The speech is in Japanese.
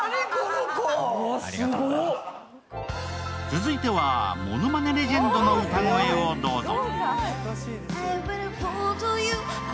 続いては、ものまねレジェンドの歌声をどうぞ。